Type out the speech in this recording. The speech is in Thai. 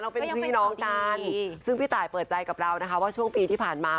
เป็นพี่น้องกันซึ่งพี่ตายเปิดใจกับเรานะคะว่าช่วงปีที่ผ่านมา